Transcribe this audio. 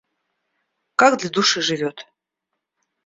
Как для души живет?